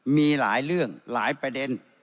มีหลายเรื่องหลายประเด็น